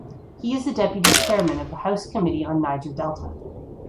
He is the Deputy Chairman of the House Committee on Niger Delta.